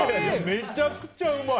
めちゃくちゃうまい！